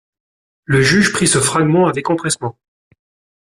Le juge prit ce fragment avec empressement.